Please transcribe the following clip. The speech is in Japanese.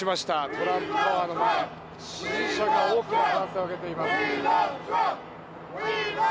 トランプタワーの前、支持者が多くの歓声を上げています。